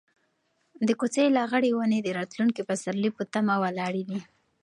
د کوڅې لغړې ونې د راتلونکي پسرلي په تمه ولاړې دي.